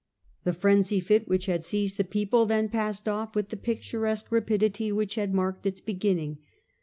The frenzy fit which had seized the people then passed off with the picturesque rapidity which had marked its beginning.